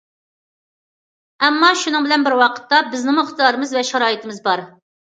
ئەمما شۇنىڭ بىلەن بىر ۋاقىتتا، بىزنىڭمۇ ئىقتىدارىمىز ۋە شارائىتىمىز بار.